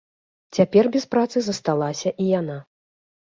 Цяпер без працы засталася і яна.